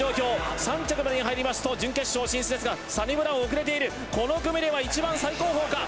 ３着までに入りますと準決勝進出ですが、サニブラウン遅れている、この組では一番最高峰か。